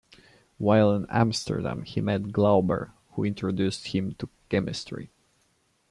While in Amsterdam he met Glauber, who introduced him to chemistry.